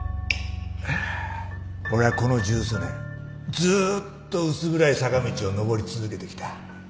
俺はこの十数年ずっと薄暗い坂道を上り続けてきた。